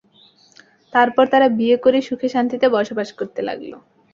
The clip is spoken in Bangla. তারপর তারা বিয়ে করে সুখে শান্তিতে বসবাস করতে লাগল।